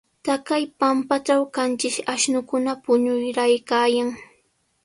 Taqay pampatraw qanchis ashnukuna puñuraykaayan.